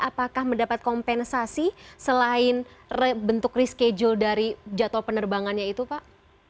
apakah mendapat kompensasi selain bentuk reschedule dari jadwal penerbangannya itu pak